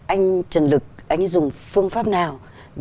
anh trần lực dùng phương pháp nào